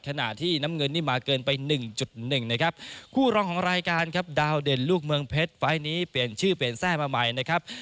ของรายการครับดาวเด่นลูกเมืองเพชรไฟนี้เปลี่ยนชื่อเปลี่ยนแทร่มาใหม่นะครับ